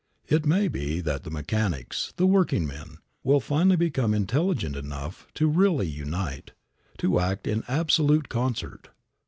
It may be that the mechanics, the workingmen, will finally become intelligent enough to really unite, to act in absolute concert.